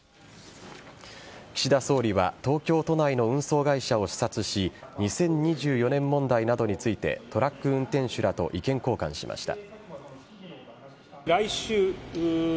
岸田総理は東京都内の運送会社を視察し２０２４年問題などについてトラック運転手らと意見交換しました。